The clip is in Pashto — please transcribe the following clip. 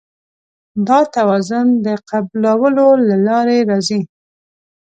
دا توازن د قبلولو له لارې راځي.